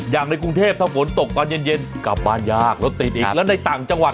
อย่างในกรุงเทพถ้าฝนตกตอนเย็นเย็นกลับบ้านยากรถติดอีกแล้วในต่างจังหวัด